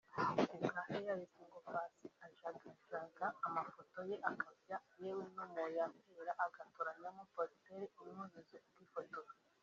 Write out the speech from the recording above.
Ku bwa Fearless ngo Paccy ajagajaga amafoto ye akajya yewe no mu ya kera agatoranyamo positeri imunyuze akifotoza